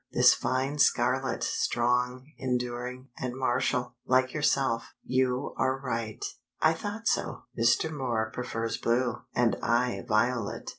"This fine scarlet, strong, enduring, and martial, like yourself." "You are right." "I thought so; Mr. Moor prefers blue, and I violet."